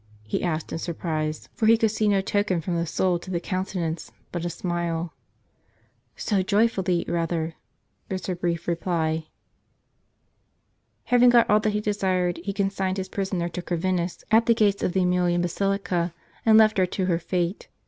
he asked in surprise; for he could see no token from the soul to the countenance, but a smile. "So joyfully rather," was her brief reply. Having got all that he desired, he consigned his prisoner to Corvinus at the gates of the ^milian basilica, and left her to her fate.